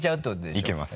いけます。